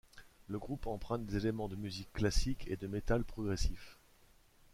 Le groupe emprunte des éléments de musique classique et de metal progressif.